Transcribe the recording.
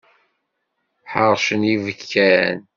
Ḥeṛcen yibekkan.